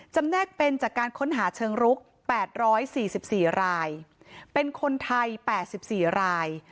แนกเป็นจากการค้นหาเชิงรุก๘๔๔รายเป็นคนไทย๘๔ราย